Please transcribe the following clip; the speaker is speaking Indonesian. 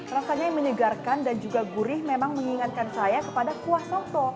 rasanya yang menyegarkan dan juga gurih memang mengingatkan saya kepada kuah soto